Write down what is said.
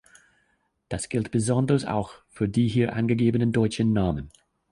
Das gilt besonders auch für die hier angegebenen deutschen Namen.